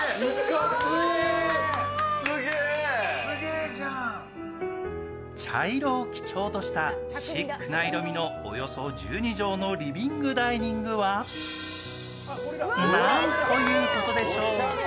えっ茶色を基調としたシックな色味のおよそ１２畳のリビングダイニングはなんということでしょう。